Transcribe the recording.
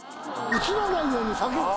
映らないように避ける。